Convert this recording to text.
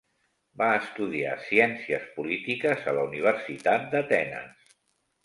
Va estudiar ciències polítiques a la Universitat d'Atenes.